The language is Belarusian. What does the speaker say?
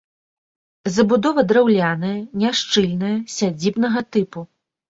Забудова драўляная, няшчыльная, сядзібнага тыпу.